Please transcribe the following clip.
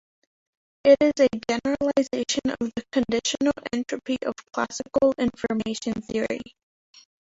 It is a generalization of the conditional entropy of classical information theory.